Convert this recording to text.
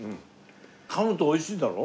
かむと美味しいだろ？